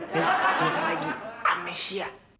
dan ternyata lagi amnesia